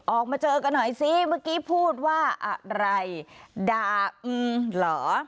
ออกมาเจอกันหน่อยสิเมื่อกี้พูดว่าอะไรด่าอือเหรอ